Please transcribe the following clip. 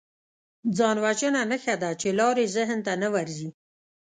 ځانوژنه نښه ده چې لارې ذهن ته نه ورځي